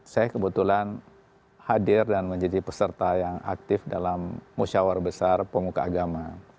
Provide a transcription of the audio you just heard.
saya kebetulan hadir dan menjadi peserta yang aktif dalam musyawar besar pemuka agama